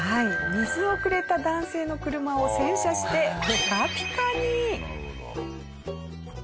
水をくれた男性の車を洗車してピカピカに！